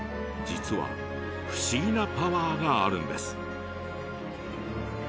実は不思議なパワーがあるんです。